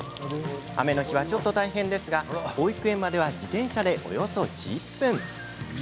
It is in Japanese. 雨の日はちょっと大変ですが保育園までは自転車でおよそ１０分。